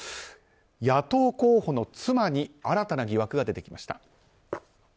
野党候補の妻に新たな疑惑が出てきました。